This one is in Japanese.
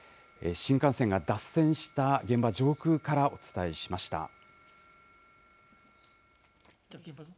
新幹線が脱線した現場上空からお伝えしました。